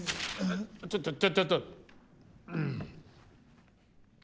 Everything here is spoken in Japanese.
ちょっちょっちょっと。